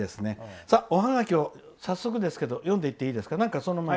おハガキを早速ですけど読んでいっていいですか。